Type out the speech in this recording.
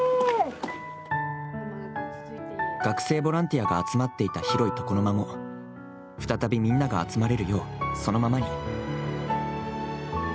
学生ボランティアが集まっていた広い床の間も再びみんなが集まれるようそのままに。